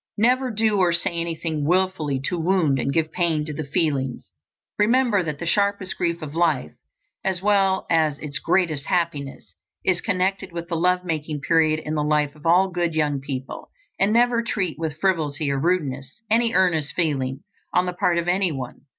Never do or say anything wilfully to wound and give pain to the feelings. Remember that the sharpest grief of life, as well as its greatest happiness, is connected with the love making period in the life of all good young people, and never treat with frivolity or rudeness any earnest feeling on the part of anyone.